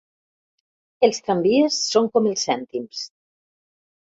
Els tramvies són com els cèntims.